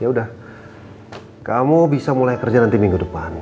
ya udah kamu bisa mulai kerja nanti minggu depan